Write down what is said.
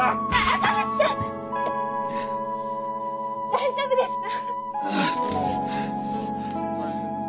大丈夫ですか？